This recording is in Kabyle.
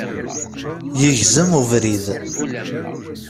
Yegzem ubrid